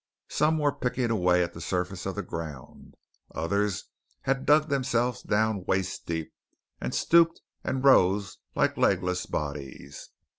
Some were picking away at the surface of the ground, others had dug themselves down waist deep, and stooped and rose like legless bodies.